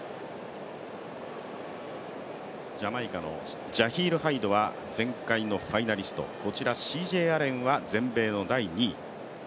ジャマイカのジャヒール・ハイドは前回のファイナリストこちら、ＣＪ・アレンは全米の第２位。